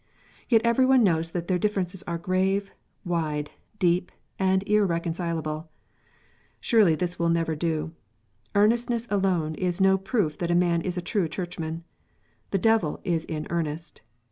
Yet every one knows that their differences are grave, wide, deep, and irreconcilable. Surely this will never do. Earnestness alone is no proof that a man is a true Churchman. The devil is in earnest.